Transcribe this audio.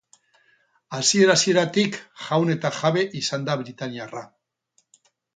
Hasiera-hasieratik jaun eta jabe izan da britainiarra.